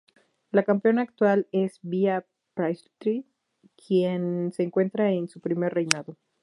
La campeona actual es Bea Priestley, quien se encuentra en su primer reinado.